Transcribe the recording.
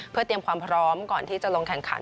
เพื่อเตรียมความพร้อมก่อนที่จะลงแข่งขัน